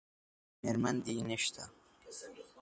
میرمن دې نشته؟